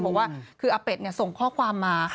บอกว่าคืออาเป็ดส่งข้อความมา